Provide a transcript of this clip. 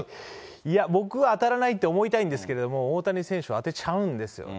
いや、僕は当たらないと思いたいんですけど、大谷選手は当てちゃうんですよね。